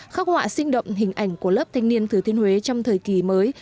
khắc họa sinh động hình ảnh của lớp thanh niên thừa thiên huế trong thời kỳ mới